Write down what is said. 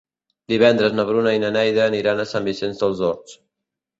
Divendres na Bruna i na Neida aniran a Sant Vicenç dels Horts.